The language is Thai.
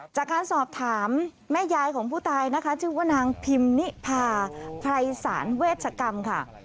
จากการสอบถามแม่ยายของผู้ตายนะคะชื่อว่านางพิมนิพาไพรศาลเวชกรรมค่ะ